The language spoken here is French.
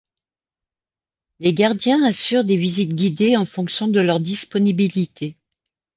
Les gardiens assurent des visites guidées en fonction de leur disponibilité.